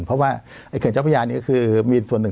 เพราะว่าเขื่อนเจ้าพระยานี้ก็คือมีส่วนหนึ่ง